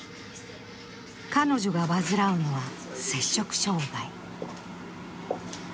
彼女が患うのは摂食障害。